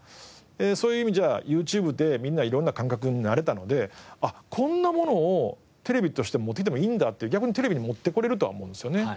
そういう意味じゃＹｏｕＴｕｂｅでみんないろんな感覚に慣れたので「あっこんなものをテレビとして持ってきてもいいんだ」って逆にテレビに持ってこれるとは思うんですよね。